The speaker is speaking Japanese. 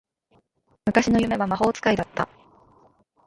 昔の夢は魔法使いだった